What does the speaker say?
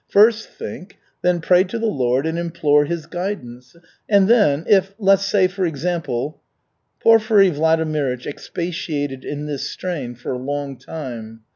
First think, then pray to the Lord and implore His guidance. And then if, let's say for example " Porfiry Vladimirych expatiated in this strain for a long time.